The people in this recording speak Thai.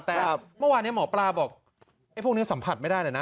แต่เมื่อวานนี้หมอปลาบอกไอ้พวกนี้สัมผัสไม่ได้เลยนะ